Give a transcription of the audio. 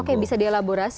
oke bisa dielaborasi